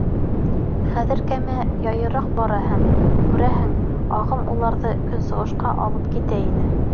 Хәҙер кәмә яйыраҡ бара һәм, күрәһең, ағым уларҙы көнсығышҡа алып китә ине.